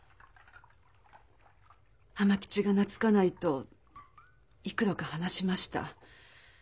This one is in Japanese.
浜吉が懐かないと幾度か話しました。